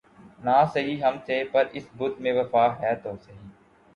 نہ سہی ہم سے‘ پر اس بت میں وفا ہے تو سہی